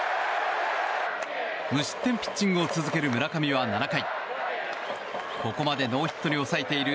無失点ピッチングを続ける村上は７回ここまでノーヒットに抑えている